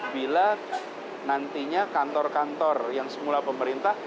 bila nantinya kantor kantor yang semula pemerintah